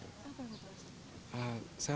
apa yang dirasakan